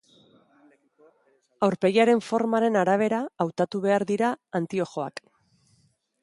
Aurpegiaren formaren arabera hautatu behar dira antiojoak.